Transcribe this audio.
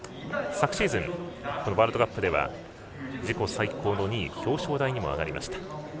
昨シーズン、ワールドカップでは自己最高の２位表彰台にも上がりました。